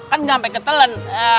kan sampai ketelen